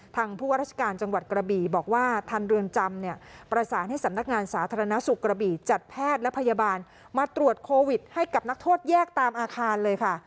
ผู้ว่าราชการจังหวัดกระบี่บอกว่าทางเรือนจำเนี่ยประสานให้สำนักงานสาธารณสุขกระบี่จัดแพทย์และพยาบาลมาตรวจโควิดให้กับนักโทษแยกตามอาคารเลยค่ะ